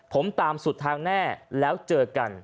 ผมตามสุดทางแน่แล้วเจอกัน